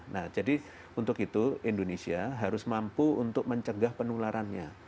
nah jadi untuk itu indonesia harus mampu untuk mencegah penularannya